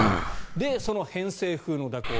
その偏西風の蛇行